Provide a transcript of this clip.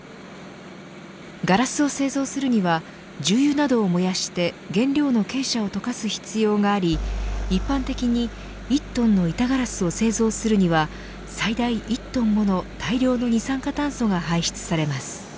ガラスを製造するには重油などを燃やして原料の珪砂を溶かす必要があり一般的に、１トンの板ガラスを製造するには最大１トンもの大量の二酸化炭素が排出されます。